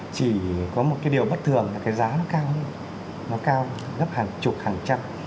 chỉ có một cái điều bất thường là cái giá nó cao hơn nó cao gấp hàng chục hàng trăm